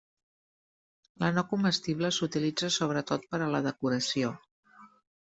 La no comestible s'utilitza sobretot per a la decoració.